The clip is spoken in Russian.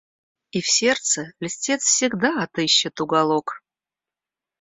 И в сердце льстец всегда отыщет уголок.